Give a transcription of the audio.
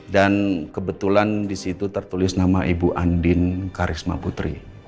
dan kebetulan disitu tertulis nama ibu andin karisma putri